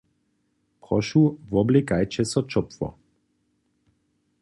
Prošu woblěkajće so ćopłe.